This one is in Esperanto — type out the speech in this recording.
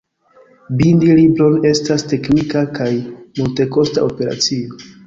Bindi libron estas teknika kaj multekosta operacio.